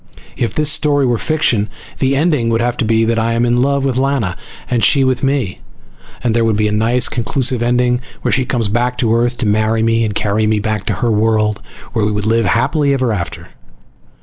If this story were fiction the ending would have to be that I am in love with Lana and she with me, and there would be a nice conclusive ending where she comes back to Earth to marry me and carry me back to her world, where we would live happily ever after.